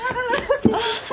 あっ！